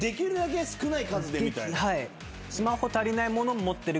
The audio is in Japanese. はい。